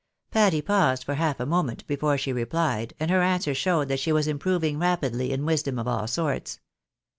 Patty paused for half a moment before she replied, and her answer showed that she was improving rapidly in wisdom of aU sorts.